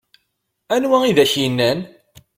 Anwa i ak-innan?